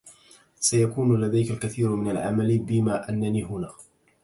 سيكون لديك الكثير من العمل بما أنني هنا.